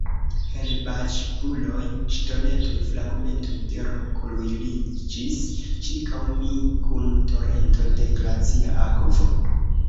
Herbaĵbuloj, ŝtonetoj, fragmentoj de roko ruliĝis ĉirkaŭ mi kun torento de glacia akvo.